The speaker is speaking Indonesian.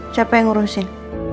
siapa yang ngurusin